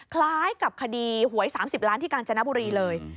คล้ายกับคดีหวย๓๐ล้านที่กาญจนบุรีเลย